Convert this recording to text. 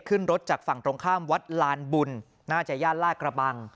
ขึ้นรถจากฝั่งตรงข้ามวัดลานบุญน่าจะย่านลาดกระบัง